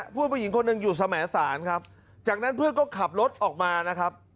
ผู้หญิงคนหนึ่งอยู่สมสารครับจากนั้นเพื่อนก็ขับรถออกมานะครับ